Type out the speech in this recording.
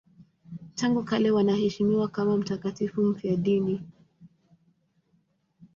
Tangu kale wanaheshimiwa kama mtakatifu mfiadini.